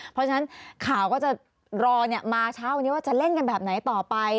เพราะฉะนั้นข่าวก็จะรอมาเช้าวันนี้ว่าจะเล่นกันแบบไหนต่อไป